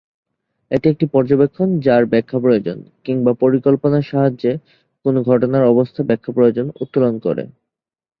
এটি একটি "পর্যবেক্ষণ যার ব্যাখ্যা প্রয়োজন" কিংবা "পরিকল্পনার সাহায্যে কোনো ঘটনার অবস্থা ব্যাখ্যা প্রয়োজন" উত্তোলন করে।